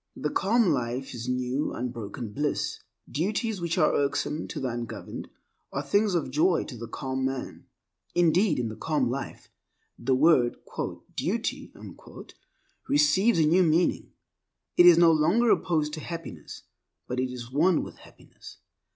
The calm life is new unbroken bliss. Duties which are irksome to the ungoverned are things of joy to the calm man. Indeed, in the calm life, the word "duty" receives a new meaning. It is no longer opposed to happiness, but it is one with happiness.